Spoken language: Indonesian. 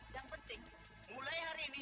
yang penting mulai hari ini